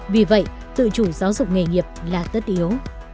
vì vậy tự chủ giáo dục nghề nghiệp là tất yếu